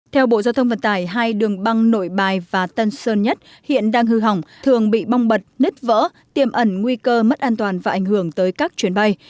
theo bộ giao thông vận tải hai đường băng nội bài và tân sơn nhất hiện đang hư hỏng thường bị bong bật nết vỡ tiềm ẩn nguy cơ mất an toàn và ảnh hưởng tới các chuyến bay